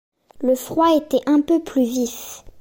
Le froid était un peu plus vif.